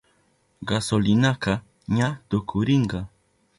Gasolinaka ñalla tukurinka.